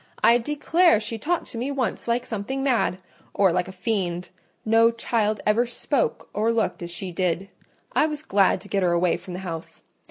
I declare she talked to me once like something mad, or like a fiend—no child ever spoke or looked as she did; I was glad to get her away from the house.